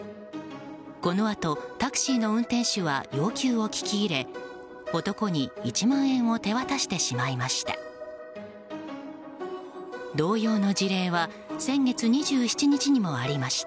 このあと、タクシーの運転手は要求を聞き入れ男に１万円を手渡してしまいました。